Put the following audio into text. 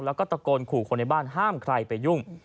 แล้วก็ตะโกนขู่คนในบ้านห้ามใครไปยุ่ง